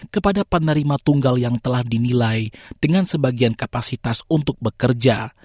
kepada penerima tunggal yang telah dinilai dengan sebagian kapasitas untuk bekerja